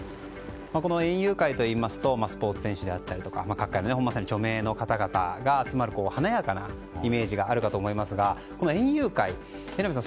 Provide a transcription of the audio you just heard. この園遊会といいますとスポーツ選手であったりとか各界のまさに著名の方々が集まる華やかなイメージがあるかと思いますが園遊会、榎並さん